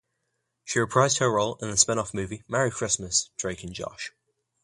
She reprised her role in the spin-off movie, "Merry Christmas, Drake and Josh".